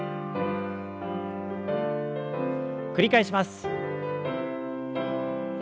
繰り返します。